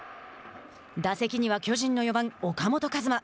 打席には巨人の４番、岡本和真。